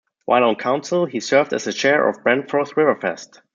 While on council, he served as chair of Brantford's Riverfest.